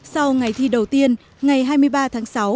sau ngày thi đầu tiên ngày hai mươi ba tháng sáu